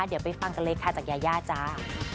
เดี๋ยวไปฟังกระเล็กค่ะจากยาย่าจ๊ะ